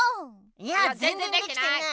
いやぜんぜんできてない！